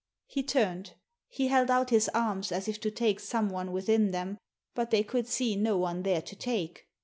He turned ; he held out his arms as if to take someone within them, but they could see no one there to take.